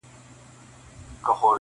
که به ډنډ ته د سېلۍ په زور رسېږم-